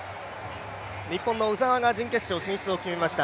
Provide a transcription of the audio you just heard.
日本の鵜澤が準決勝進出を決めました。